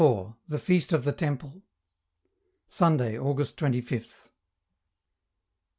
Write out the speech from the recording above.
THE FEAST OF THE TEMPLE Sunday, August 25th.